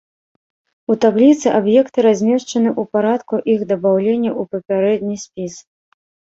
У табліцы аб'екты размешчаны ў парадку іх дабаўлення ў папярэдні спіс.